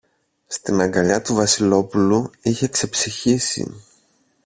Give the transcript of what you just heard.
Στην αγκαλιά του Βασιλόπουλου είχε ξεψυχήσει.